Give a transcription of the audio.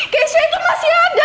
kayaknya itu masih ada